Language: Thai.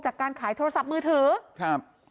จากการขายโทรศัพท์มือถือครับ